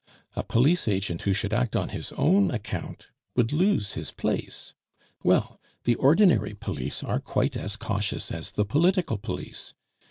A police agent who should act on his own account would lose his place. "Well, the ordinary police are quite as cautious as the political police.